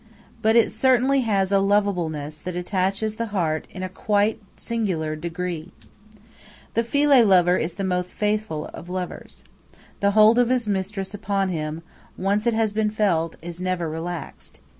But it certainly has a lovableness that attaches the heart in a quite singular degree. The Philae lover is the most faithful of lovers. The hold of his mistress upon him, once it has been felt, is never relaxed.